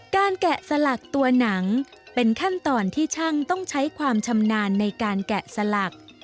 แกะสลักตัวหนังเป็นขั้นตอนที่ช่างต้องใช้ความชำนาญในการแกะสลัก